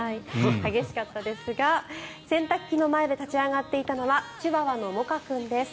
激しかったですが洗濯機の前で立ち上がっていたのはチワワのモカ君です。